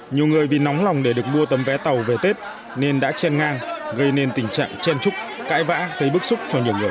nhiều người vì nóng lòng để được mua tấm vé tàu về tết nên đã chen ngang gây nên tình trạng chen trúc cãi vã gây bức xúc cho nhiều người